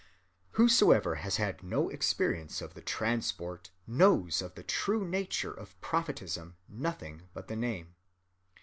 "Whoever has had no experience of the transport knows of the true nature of prophetism nothing but the name.